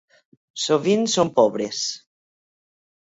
Sovint són pobres.